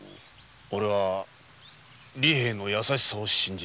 おれは利平の優しさを信じたい。